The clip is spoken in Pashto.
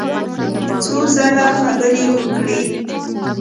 څو ځله خبرې وکړې.